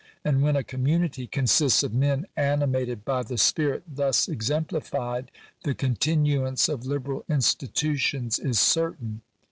And when a community consists of men animated by the spirit thus exem plified, the continuance of liberal institutions is certain.